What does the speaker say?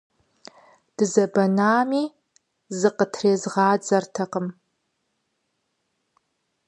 Дызэбэнами, зыкъытрезгъадзэртэкъым.